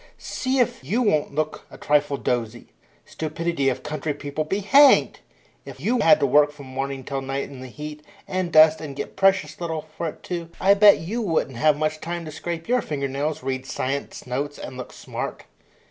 See if you won't look a trifle dozy. Stupidity of country people be hanged! If you had to work from morning till night in the heat and dust, and get precious little for it too, I bet you wouldn't have much time to scrape your finger nails, read science notes, and look smart."